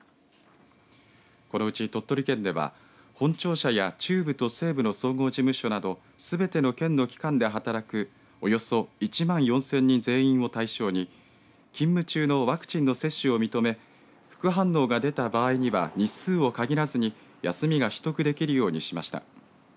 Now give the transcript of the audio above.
このうち、鳥取県では本庁舎や中部と西部の総合事務所などすべての県の機関で働くおよそ１万４０００人全員を対象に勤務中のワクチンの接種を認め副反応が出た場合には日数を限らずに休みが取得できるようにしました。